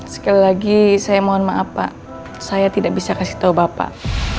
sekali lagi saya mohon maaf pak saya tidak bisa kasih tahu bapak